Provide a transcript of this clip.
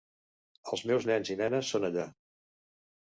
El meus nens i nenes són allà.